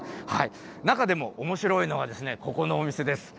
中でもおもしろいのが、ここのお店です。